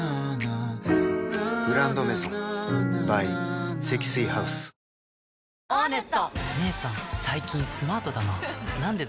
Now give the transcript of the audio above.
「グランドメゾン」ｂｙ 積水ハウスえっ！